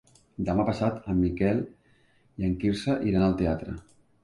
Demà passat en Miquel i en Quirze iran al teatre.